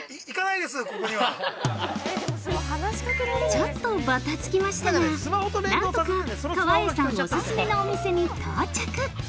◆ちょっとバタつきましたがなんとか川栄さんオススメのお店に到着。